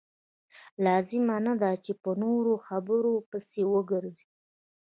لازمه نه ده چې په نورو خبرو پسې وګرځئ.